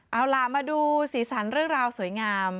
เอาล่ะมาดูสีสันเรื่องราวสวยงาม